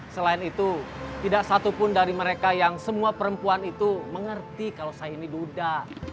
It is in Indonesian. selain itu tidak satupun dari mereka yang semua perempuan itu mengerti kalau saya ini duda